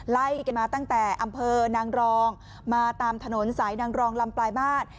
ไล่กันมาตั้งแต่อำเภอนางรองมาตามถนนสายนางรองลำปลายมาตร